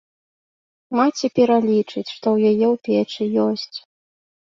Маці пералічыць, што ў яе ў печы ёсць.